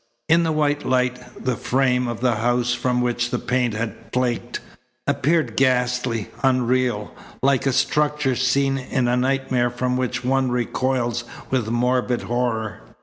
In the white light the frame of the house from which the paint had flaked, appeared ghastly, unreal, like a structure seen in a nightmare from which one recoils with morbid horror.